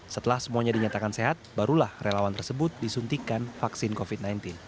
setelah semuanya dinyatakan sehat barulah relawan tersebut disuntikan vaksin covid sembilan belas